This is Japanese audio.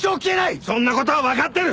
そんな事はわかってる！